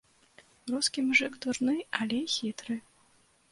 Рускі мужык дурны, але хітры.